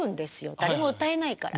誰も歌えないから。